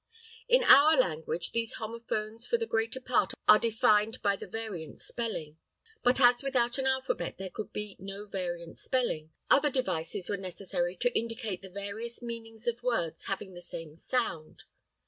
In our language, these homophones for the greater part are defined by the variant spelling, but as without an alphabet there could be no variant spelling, other devices were necessary to indicate the various meanings of words having the same sound.